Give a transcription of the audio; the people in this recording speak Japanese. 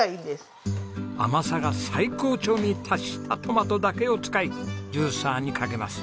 甘さが最高潮に達したトマトだけを使いジューサーにかけます。